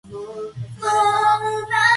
お疲れ様